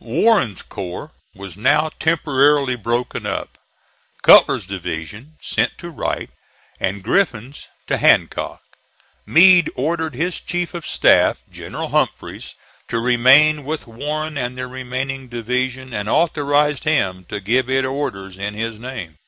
Warren's corps was now temporarily broken up, Cutler's division sent to Wright, and Griffin's to Hancock. Meade ordered his chief of staff, General Humphreys, to remain with Warren and the remaining division, and authorized him to give it orders in his name.